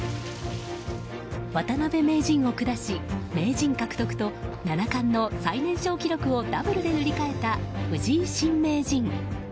渡辺名人を下し名人獲得と七冠の最年少記録をダブルで塗り替えた藤井新名人。